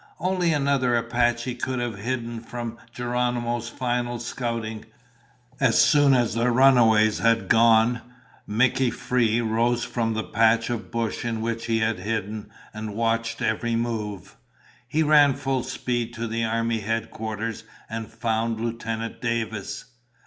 Only another Apache could have hidden from Geronimo's final scouting. As soon as the runaways had gone, Mickey Free rose from the patch of brush in which he had hidden and watched every move. He ran full speed to the army headquarters and found Lieutenant Davis.